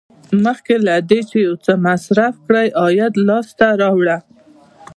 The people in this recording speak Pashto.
مخکې له دې چې یو څه مصرف کړئ عاید لاسته راوړه.